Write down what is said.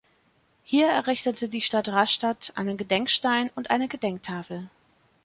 Hier errichtete die Stadt Rastatt einen Gedenkstein und eine Gedenktafel.